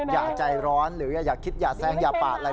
อย่าใจร้อนหรืออย่าคิดอย่าแซงอย่าปาดอะไร